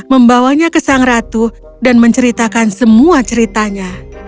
membawanya ke sang ratu dan menceritakan semua ceritanya